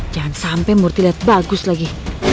jangan sampai murti liat bagus lagi